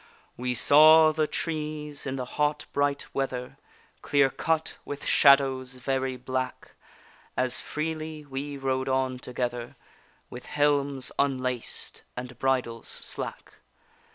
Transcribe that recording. We saw the trees in the hot, bright weather, Clear cut, with shadows very black, As freely we rode on together With helms unlaced and bridles slack.